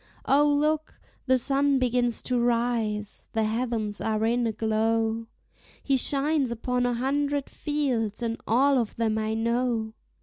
O, look! the sun begins to rise! the heavens are in a glow; He shines upon a hundred fields, and all of them I know.